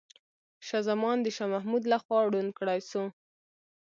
شاه زمان د شاه محمود لخوا ړوند کړاي سو.